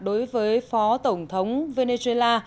đối với phó tổng thống venezuela